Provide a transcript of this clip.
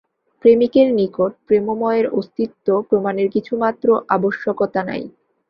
প্রেমিকের নিকট প্রেমময়ের অস্তিত্ব-প্রমাণের কিছুমাত্র আবশ্যকতা নাই।